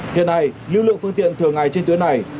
hiện nay lưu lượng phương tiện thường ngày trên tuyến này